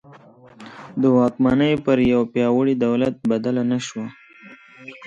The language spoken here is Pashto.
د واکمني پر یوه پیاوړي دولت بدله نه شوه.